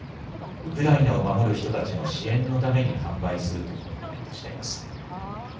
ウクライナを守る人たちの支援のために販売するとコメントしています。